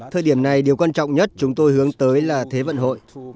thời điểm này điều quan trọng nhất chúng tôi hướng tới là thế vận hội